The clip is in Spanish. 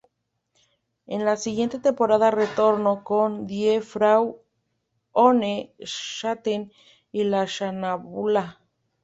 En la siguiente temporada retornó con "Die Frau ohne Schatten" y "La sonnambula".